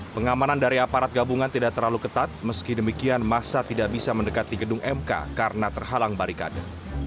pengamanan dari aparat gabungan tidak terlalu ketat meski demikian masa tidak bisa mendekati gedung mk karena terhalang barikade